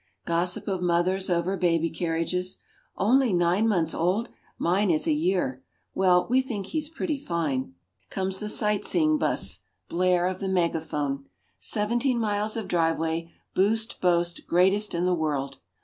Gossip of mothers over baby carriages, "Only nine months old! Mine is a year. Well, we think he's pretty fine." Comes the sight seeing bus. Blare of the megaphone. "Seventeen miles of driveway, boost, boast, greatest in the world."